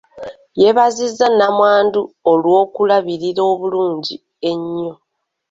Yeebazizza nnamwandu olw'okulabirira obulungi ennyo.